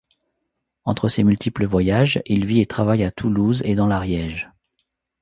Entre ses multiples voyages, il vit et travaille à Toulouse et dans l'Ariège.